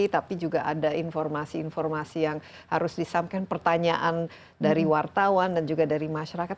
tapi juga ada informasi informasi yang harus disampaikan pertanyaan dari wartawan dan juga dari masyarakat